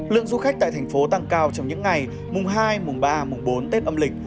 lượng du khách tại thành phố tăng cao trong những ngày mùng hai mùng ba mùng bốn tết âm lịch